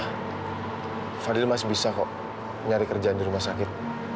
fadil masih bisa kok nyari kerjaan di rumah sakit